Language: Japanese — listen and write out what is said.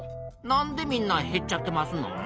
なんでみんなへっちゃってますのん？